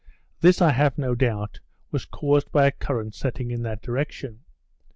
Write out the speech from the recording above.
This, I have no doubt, was caused by a current setting in that direction.